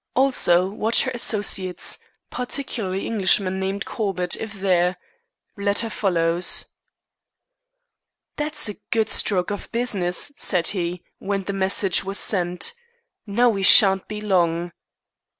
Also watch her associates, particularly Englishman named Corbett, if there. Letter follows." "That's a good stroke of business," said he, when the message was sent. "Now we shan't be long!"